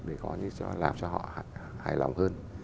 để có như làm cho họ hài lòng hơn